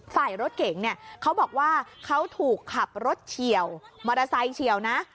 ฝ่ายรถเก๋งเนี่ยเขาบอกว่าเขาถูกขับรถเฉียวมอเตอร์ไซค์เฉียวนะ